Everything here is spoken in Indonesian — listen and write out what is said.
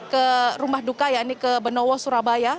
ke rumah duka ya ini ke benowo surabaya